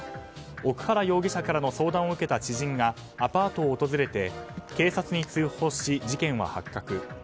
奥原容疑者からの相談を受けた知人がアパートを訪れて警察に通報し、事件は発覚。